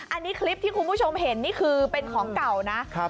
อันนี้คลิปที่คุณผู้ชมเห็นนี่คือเป็นของเก่านะ